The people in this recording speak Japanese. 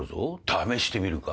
試してみるか？